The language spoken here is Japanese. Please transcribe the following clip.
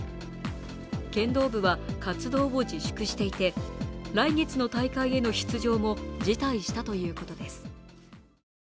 剣道部は活動を自粛していて来月の大会への出場を辞退したということです。